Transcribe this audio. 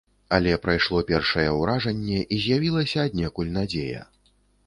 Але прайшло першае ўражанне, і з'явілася аднекуль надзея.